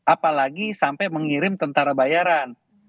apalagi sampai mengirim tentara bayaran